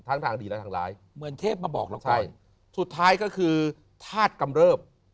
ทั้งทางดีและทางร้ายเหมือนเทพมาบอกเราไปสุดท้ายก็คือธาตุกำเริบ